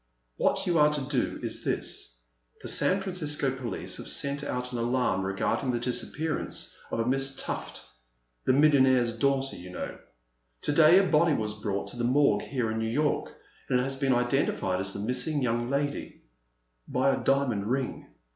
What you are to do is this : the San Francisco police have sent out an alarm regarding the disappearance of a Miss Tufil — ^the million aire's daughter, you know. To day a body was brought to the Morgue here in New York, and it has been identified as the missing young lady, — by a diamond ring.